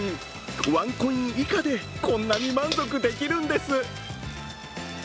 ワンコイン以下でこんなに満足できるんです。